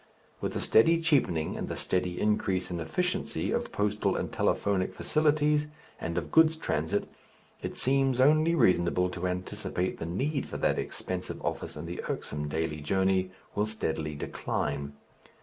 With the steady cheapening and the steady increase in efficiency of postal and telephonic facilities, and of goods transit, it seems only reasonable to anticipate the need for that expensive office and the irksome daily journey will steadily decline.